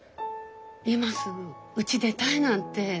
今すぐうち出たいなんて。